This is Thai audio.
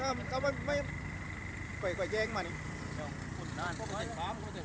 อันนี้เป็นอันนี้